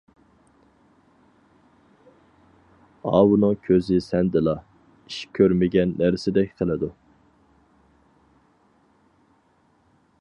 ئاۋۇنىڭ كۆزى سەندىلا، ئىش كۆرمىگەن نەرسىدەك قىلىدۇ.